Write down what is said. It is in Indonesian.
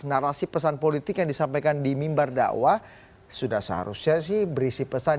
narasi pesan politik yang disampaikan di mimbar dakwah sudah seharusnya sih berisi pesan